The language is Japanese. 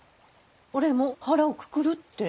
「俺も腹をくくる」って。